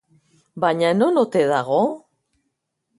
Baina non ote dago?